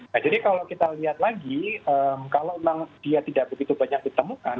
nah jadi kalau kita lihat lagi kalau memang dia tidak begitu banyak ditemukan